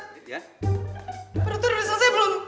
perutnya udah selesai belum